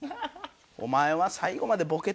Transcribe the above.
「お前は最後までボケてた」。